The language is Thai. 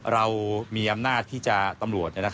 เรามีอำนาจที่จะตำรวจ